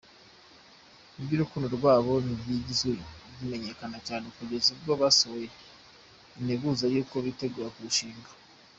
Iby’urukundo rwabo ntibyigize bimenyekana cyane kugeza ubwo basohoye integuza y’uko bitegura kurushinga.